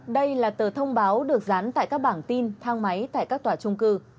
đây là tờ thông báo được dán tại các bảng tin thang máy tại các tòa trung cư